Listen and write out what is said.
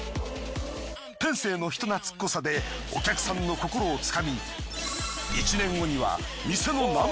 天性の人懐っこさでお客さんの心をつかみ。